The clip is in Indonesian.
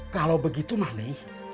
kalau begitu mami